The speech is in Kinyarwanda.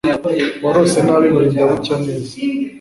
Uwarose nabi burinda bucya neza